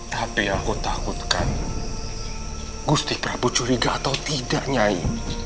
tapi aku takutkan gusti prabu curiga atau tidak nyai